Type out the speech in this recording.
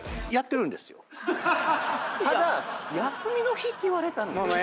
ただ休みの日って言われたんで。